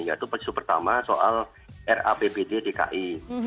yaitu isu pertama soal rapbd dki